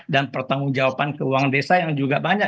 dan pertanggung jawaban keuangan desa yang juga banyak